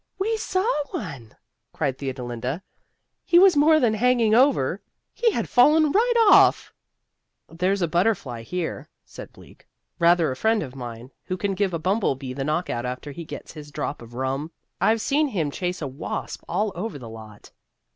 "We saw one!" cried Theodolinda. "He was more than hanging over he had fallen right off!" "There's a butterfly here," said Bleak "Rather a friend of mine, who can give a bumble bee the knock out after he gets his drop of rum. I've seen him chase a wasp all over the lot."